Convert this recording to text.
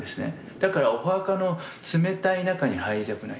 だからお墓の冷たい中に入りたくない。